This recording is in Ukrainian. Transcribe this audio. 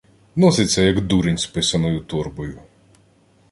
Носиться, як дурень з писаною торбою.